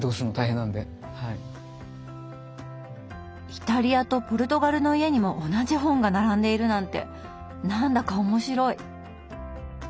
イタリアとポルトガルの家にも同じ本が並んでいるなんて何だか面白い。